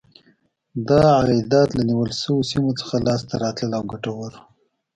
دا عایدات له نیول شویو سیمو څخه لاسته راتلل او ګټور و.